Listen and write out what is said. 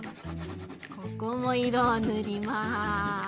ここもいろをぬります。